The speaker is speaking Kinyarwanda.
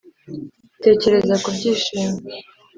tekereza ku byishimo,